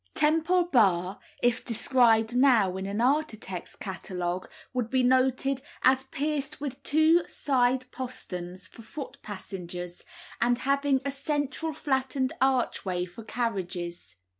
Temple Bar, if described now in an architect's catalogue, would be noted as pierced with two side posterns for foot passengers, and having a central flattened archway for carriages.